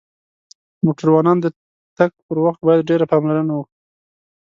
موټروانان د تک پر وخت باید ډیر پاملرنه وکړی